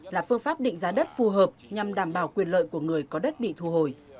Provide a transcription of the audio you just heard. là phương pháp định giá đất phù hợp nhằm đảm bảo quyền lợi của người có đất bị thu hồi